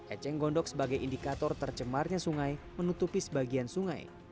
eceng gondok sebagai indikator tercemarnya sungai menutupi sebagian sungai